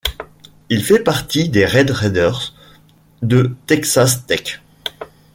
Il fait partie des Red Raiders de Texas Tech.